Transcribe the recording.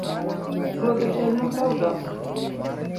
Ruoth otelnu ka udok